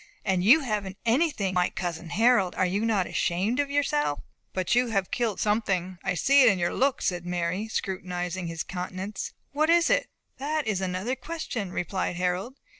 And you haven't anything! Why, cousin Harold, are you not ashamed of yourself?" "But you have killed something; I see it in your looks," said Mary, scrutinizing his countenance; "what is it?" "That is another question," replied Harold.